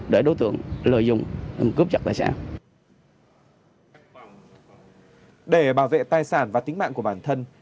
để bảo vệ tài sản và tính mạng của bản thân